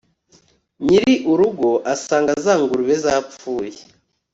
nyiri urugo asanga za ngurube zapfuye